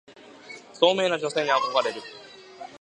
聡明な女性に憧れる